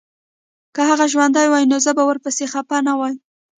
که هغه ژوندی وای نو زه به ورپسي خپه نه وای